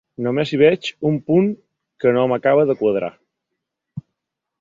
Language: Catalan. Només hi veig un punt que no m’acaba de quadrar.